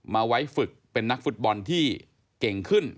มาไว้ฝึกเป็นนักฟุตบอลที่เก่งขึ้น